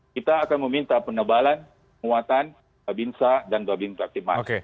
kita akan meminta penebalan kekuatan kabinsa dan kabin aktimat